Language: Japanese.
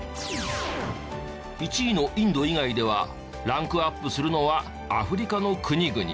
１位のインド以外ではランクアップするのはアフリカの国々。